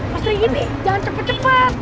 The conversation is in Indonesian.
mas regi b jangan cepet cepet